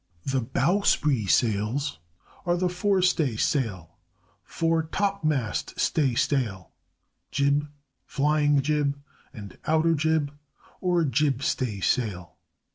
The bowsprit sails are the forestaysail, foretopmast staysail, jib, flying jib, and outer jib, or jibstaysail.